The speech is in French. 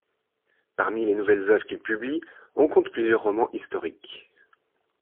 Parmi les nouvelles œuvres qu'il publie, on compte plusieurs romans historiques.